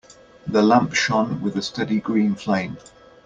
The lamp shone with a steady green flame.